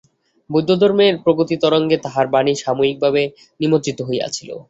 বৌদ্ধধর্মের প্রগতি-তরঙ্গে তাঁহার বাণী সাময়িক ভাবে নিমজ্জিত হইয়াছিল।